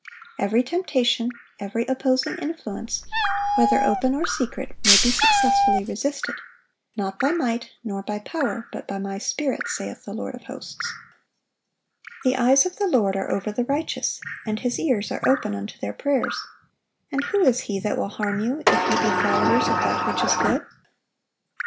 Every temptation, every opposing influence, whether open or secret, may be successfully resisted, "not by might, nor by power, but by My Spirit, saith the Lord of hosts."(926) "The eyes of the Lord are over the righteous, and His ears are open unto their prayers.... And who is he that will harm you, if ye be followers of that which is good?"